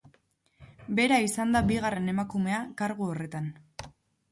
Bera izan da bigarren emakumea kargu horretan.